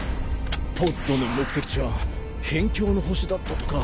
ポッドの目的地は辺境の星だったとか。